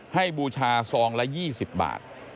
ให้บูชา๒ละ๒๐บาท